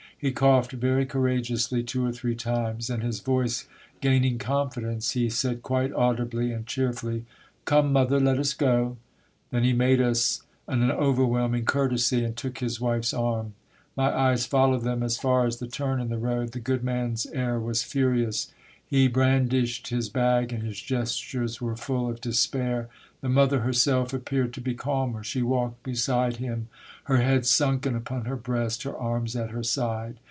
He coughed very courageously two or three times, and his voice gaining confidence, he said quite audibly and cheerfully, —•" Come, mother, let us go." Then he made us an overwhelming courtesy, and took his wife's arm. My eyes followed them as far as the turn in the road. The good man's air was furious. He bran dished his bag, and his gestures were full of de spair. The mother herself appeared to be calmer. She walked beside him, her head sunken upon her breast, her arms at her side.